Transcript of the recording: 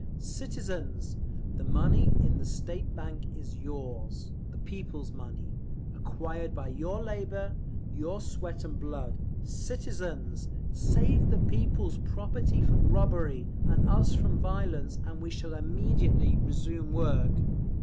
CITIZENS! The money in the State Bank is yours, the people's money, acquired by your labour, your sweat and blood. CITIZENS! Save the people's property from robbery, and us from violence, and we shall immediately resume work.